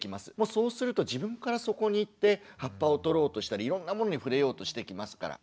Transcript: そうすると自分からそこに行って葉っぱを取ろうとしたりいろんなものに触れようとしてきますから。